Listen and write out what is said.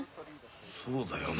そうだよな。